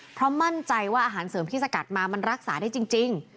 เพราะมั่นใจว่าอาหารเสริมที่สกัดมามันรักษาได้จริง